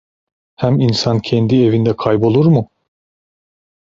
Hem insan kendi evinde kaybolur mu?